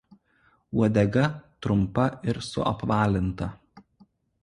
Uodega trumpa ir suapvalinta.